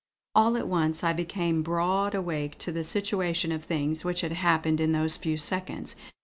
All at once I became broad awake to the situation of things which had happened in those few seconds.